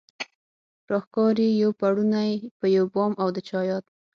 راښکاري يو پړونی په يو بام او د چا ياد